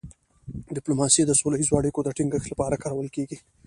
ډيپلوماسي د سوله ییزو اړیکو د ټینګښت لپاره کارول کېږي.